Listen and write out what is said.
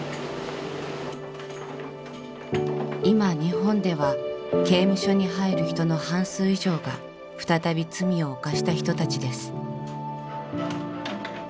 今日本では刑務所に入る人の半数以上が再び罪を犯した人たちです。